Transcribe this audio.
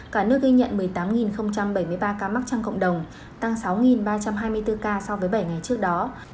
cả nước ghi nhận một mươi tám bảy mươi ba ca mắc trong cộng đồng tăng sáu ba trăm hai mươi bốn ca so với bảy ngày trước đó